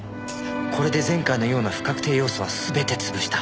これで前回のような不確定要素は全て潰した